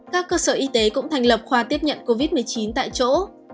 các cơ sở y tế cũng thành lập khoa tiếp nhận covid một mươi chín tại chỗ